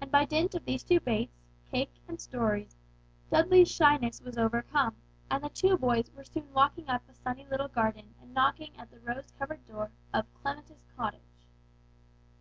And by dint of these two baits, "cake" and "stories," Dudley's shyness was overcome, and the two boys were soon walking up a sunny little garden and knocking at the rose covered door of "Clematis Cottage."